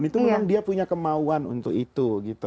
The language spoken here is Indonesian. itu memang dia punya kemauan untuk itu